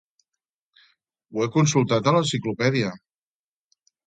Ho he consultat en l'Enciclopèdia.